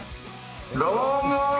「どうも！」